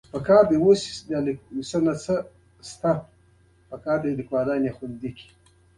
مثلاً ښایي کارتیجني وې